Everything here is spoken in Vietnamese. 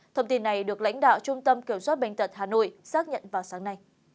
thông tin này được lãnh đạo trung tâm kiểm soát bệnh tật hà nội xác nhận vào sáng nay